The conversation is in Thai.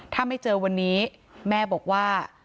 ถ้าไม่เจอวันนี้แม่บอกว่า